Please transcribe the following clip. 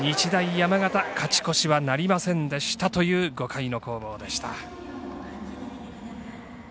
山形、勝ち越しはなりませんでしたという５回の攻防でした。